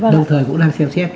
đầu thời cũng đang xem xét